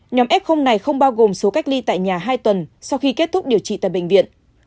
nhóm f này không bao gồm số cách ly tại nhà hai tuần sau khi kết thúc điều trị tại bệnh viện